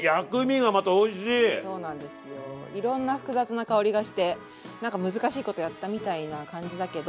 いろんな複雑な香りがして何か難しいことやったみたいな感じだけど。